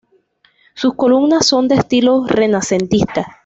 Sus columnas son de estilo renacentista.